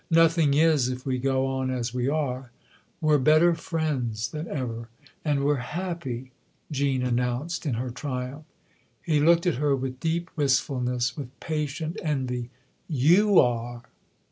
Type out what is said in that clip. " Nothing is, if we go on as we are. We're better friends than ever. And we're happy !" Jean announced in her triumph. He looked at her with deep wistfulness, with patient envy. " You are